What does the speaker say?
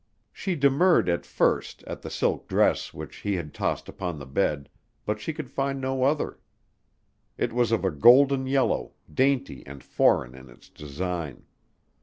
She demurred at first at the silk dress which he had tossed upon the bed, but she could find no other. It was of a golden yellow, dainty and foreign in its design.